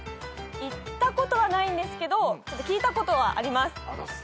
行ったことはないんですけど聞いたことはあります。